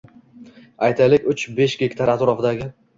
aytaylik, uch-besh gektar atrofidagi